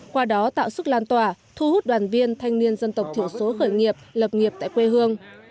qua đó tạo sức lan tỏa thu hút đoàn viên thanh niên dân tộc thiểu số khởi nghiệp lập nghiệp tại quê hương